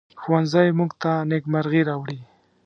ښوونځی موږ ته نیکمرغي راوړي